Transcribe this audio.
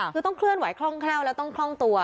คือต้องเคลื่อนไหวคล่องแคล่วแล้วต้องคล่องตัว